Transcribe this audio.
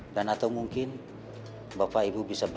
dan atau mungkin bapak ibu bisa bantu reva